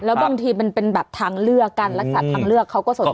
แล้วบางทีมันเป็นแบบทางเลือกการรักษาทางเลือกเขาก็สนใจ